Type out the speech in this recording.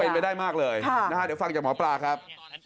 เป็นไปได้มากเลยนะฮะเดี๋ยวฟังจากหมอปลาครับ